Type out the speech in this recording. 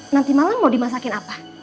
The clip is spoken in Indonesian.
nanti malam mau dimasakin apa